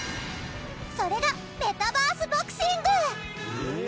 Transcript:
それがメタバースボクシング。